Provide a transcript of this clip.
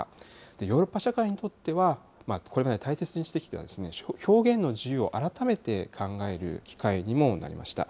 ヨーロッパ社会にとってはこれまで大切にしてきた表現の自由を改めて考える機会にもなりました。